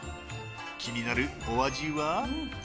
気になるお味は。